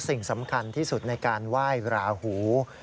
สิ่งสำคัญที่สุดในการไหว้ราหู